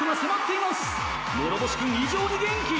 諸星君異常に元気！